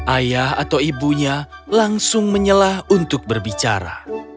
ayah atau ibunya langsung menyelah untuk berbicara